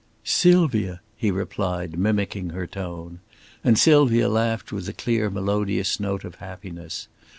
"Sylvia!" he replied, mimicking her tone. And Sylvia laughed with the clear melodious note of happiness.